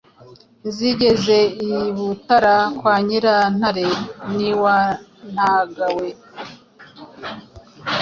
Nzigeze i Butara Kwa Nyirantare n’iwa Ntagawe,